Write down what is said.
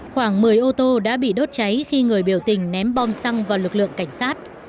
khoảng một mươi ô tô đã bị đốt cháy khi người biểu tình ném bom xăng vào lực lượng cảnh sát